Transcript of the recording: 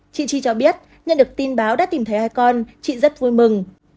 chị chi cho biết nhận được tin báo đã tìm thấy hai con chị rất vui mừng